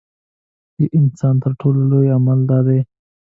د یوه انسان تر ټولو لوی عمل دا دی.